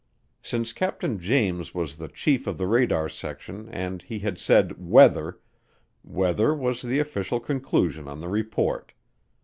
Since Captain James was the chief of the radar section and he had said "Weather," weather was the official conclusion on the report.